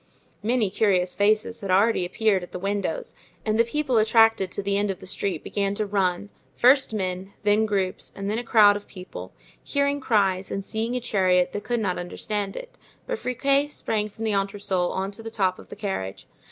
Many curious faces had already appeared at the windows and the people attracted to the end of the street began to run, first men, then groups, and then a crowd of people; hearing cries and seeing a chariot they could not understand it; but Friquet sprang from the entresol on to the top of the carriage.